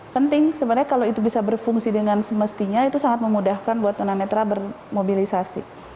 penting sebenarnya kalau itu bisa berfungsi dengan semestinya itu sangat memudahkan buat tunanetra bermobilisasi